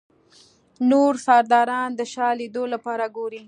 نور سرداران د شاه لیدلو لپاره ګوري.